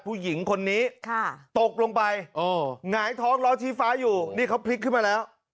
ผู้หญิงคนนี้ตกลงไปหงายท้องล้อชี้ฟ้าอยู่นี่เขาพลิกขึ้นมาแล้ว